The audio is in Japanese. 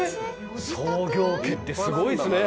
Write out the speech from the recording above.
創業家ってすごいですね。